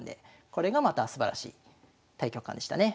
これがまたすばらしい大局観でしたね。